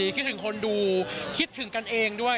คิดถึงคนดูคิดถึงกันเองด้วย